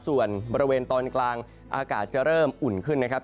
ส่วนบริเวณตอนกลางอากาศจะเริ่มอุ่นขึ้นนะครับ